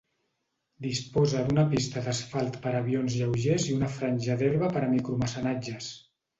Disposa d'una pista d'asfalt per a avions lleugers i una franja d'herba per a micromecenatges.